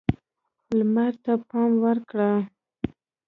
لمر ته پام وکړئ.